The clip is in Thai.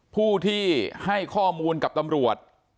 ผู้ที่ให้ข้อมูลกับตำรวจ